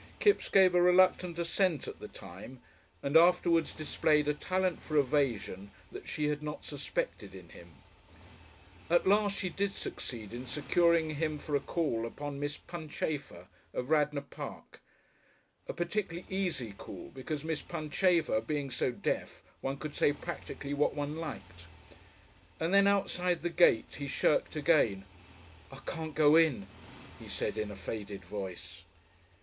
Kipps gave a reluctant assent at the time and afterwards displayed a talent for evasion that she had not suspected in him. At last she did succeed in securing him for a call upon Miss Punchafer, of Radnor Park a particularly easy call because Miss Punchafer being so deaf one could say practically what one liked and then outside the gate he shirked again. "I can't go in," he said in a faded voice.